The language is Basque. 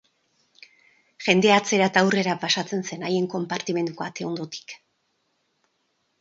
Jendea atzera eta aurrera pasatzen zen haien konpartimentuko ate ondotik.